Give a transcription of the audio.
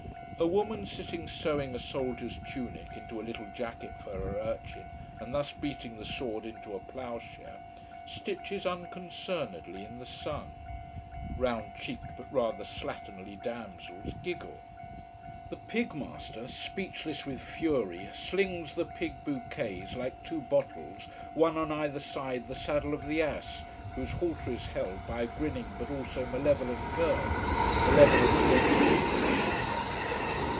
A woman sitting sewing a soldier's tunic into a little jacket for her urchin, and thus beating the sword into a ploughshare, stitches unconcernedly in the sun. Round cheeked but rather slatternly damsels giggle. The pig master, speechless with fury, slings the pig bouquets, like two bottles one on either side the saddle of the ass whose halter is held by a grinning but also malevolent girl: malevolent against pig prices, that is.